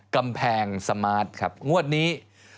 กำแพงสมาร์ทครับงวดนี้